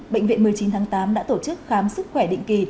bệnh viện một mươi chín tháng tám đã tổ chức khám sức khỏe định kỳ